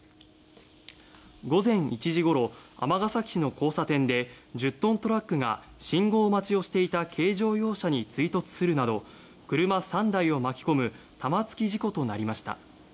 午前１時ごろ、尼崎市の交差点で１０トントラックが信号待ちをしていた軽乗用車に追突するなど車３台を巻き込む玉突き事故となりました。